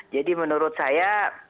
jadi menurut saya